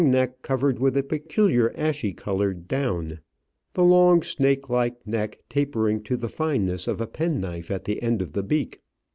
neck covered with a peculiar ashy coloured down ; the long, snake like neck tapering to the fineness of a penknife at the end of the beak.